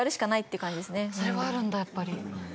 それはあるんだやっぱり。